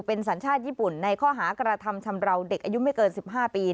เป็นสัญชาติญี่ปุ่นในข้อหากระทำชำราวเด็กอายุไม่เกิน๑๕ปี